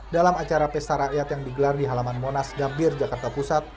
dalam acara pesta rakyat yang digelar di halaman monas gambir jakarta pusat